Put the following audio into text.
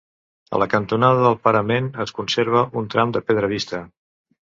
A la cantonada del parament es conserva un tram de pedra vista.